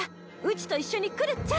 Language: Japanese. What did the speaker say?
うちと一緒に来るっちゃ。